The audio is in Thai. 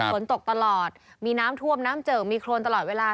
ฝนตกตลอดมีน้ำท่วมน้ำเจิกมีโครนตลอดเวลา